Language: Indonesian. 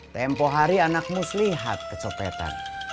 tempoh hari anak mus lihat kecopetan